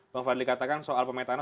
bang fadli katakan soal pemain tanah